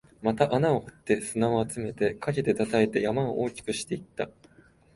また穴を掘って、砂を集めて、かけて、叩いて、山を大きくしていった